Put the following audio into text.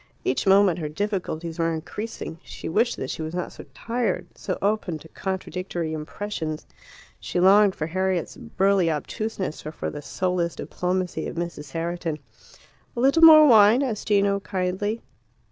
Each moment her difficulties were increasing. She wished that she was not so tired, so open to contradictory impressions. She longed for Harriet's burly obtuseness or for the soulless diplomacy of Mrs. Herriton. "A little more wine?" asked Gino kindly.